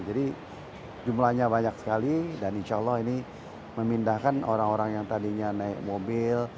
jadi jumlahnya banyak sekali dan insya allah ini memindahkan orang orang yang tadinya naik mobil